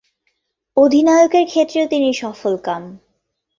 অধিনায়কের ক্ষেত্রেও তিনি সফলকাম।